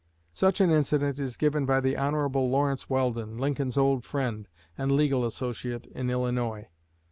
Such an incident is given by the Hon. Lawrence Weldon, Lincoln's old friend and legal associate in Illinois.